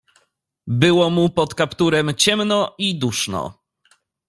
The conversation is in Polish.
"Było mu pod kapturem ciemno i duszno."